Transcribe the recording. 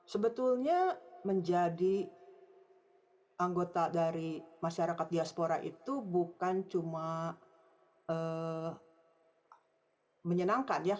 sebetulnya menjadi anggota dari masyarakat diaspora itu bukan cuma menyenangkan ya